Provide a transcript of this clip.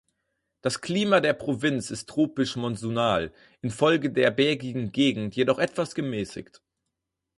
Das Klima der Provinz ist tropisch-monsunal, infolge der bergigen Gegend jedoch etwas gemäßigt.